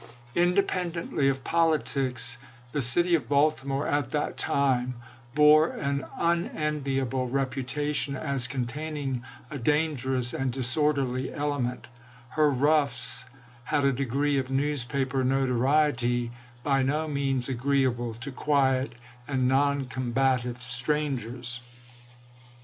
Independently of polities, the city of Baltimore at that time bore an unenviable reputa tion as containing a dangerous and disorderly element ; her " roughs " had a degree of newspaper notoriety by no means agreeable to quiet and non combative strangers.